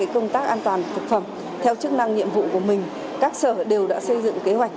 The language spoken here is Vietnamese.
công tác an toàn thực phẩm theo chức năng nhiệm vụ của mình các sở đều đã xây dựng kế hoạch